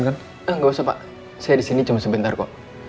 kalau industri ini cuma sebentar kok